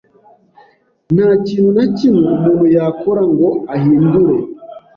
Nta kintu na kimwe umuntu yakora ngo ahindure.